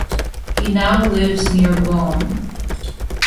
He now lives near Bonn.